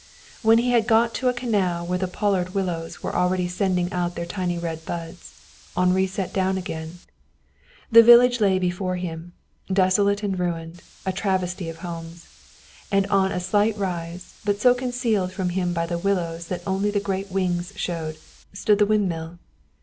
When he had got to a canal where the pollard willows were already sending out their tiny red buds, Henri sat down again. The village lay before him, desolate and ruined, a travesty of homes. And on a slight rise, but so concealed from him by the willows that only the great wings showed, stood the windmill.